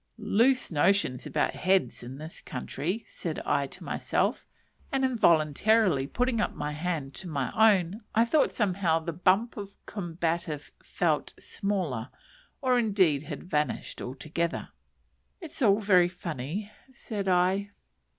"Loose notions about heads in this country," said I to myself; and involuntarily putting up my hand to my own, I thought somehow the bump of combativeness felt smaller, or indeed had vanished altogether. "It's all very funny," said I.